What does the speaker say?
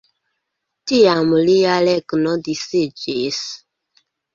Tiam lia regno disiĝis.